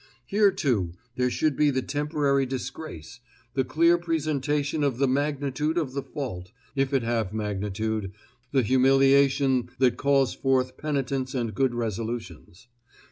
Here, too, there should be the temporary disgrace, the clear presentation of the magnitude of the fault, if it have magnitude, the humiliation that calls forth penitence and good resolutions.